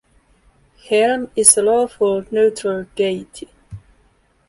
Helm is a Lawful Neutral deity.